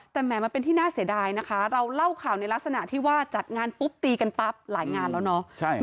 แต่แหมมันเป็นที่น่าเสียดายนะคะเราเล่าข่าวในลักษณะที่ว่าจัดงานปุ๊บตีกันปั๊บหลายงานแล้วเนาะ